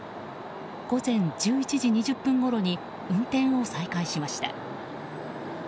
午前１１時２０分ごろに運転を再開しました。